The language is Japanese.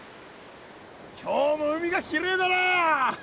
今日も海がきれいだな！